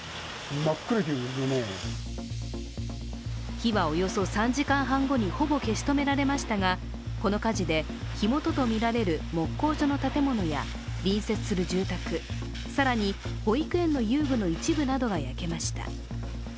火はおよそ３時間半後にほぼ消し止められましたが、この火事で火元とみられる木工所の建物や隣接する住宅、更に保育園の遊具の一部などが焼けました。